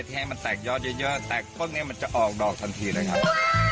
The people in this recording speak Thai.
ให้มันแตกยอดเยอะแตกต้นนี้มันจะออกดอกทันทีเลยครับ